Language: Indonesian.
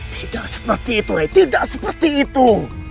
tidak seperti itu tidak seperti itu